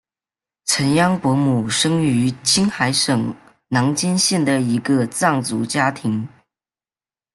降央伯姆生于青海省囊谦县的一个藏族家庭。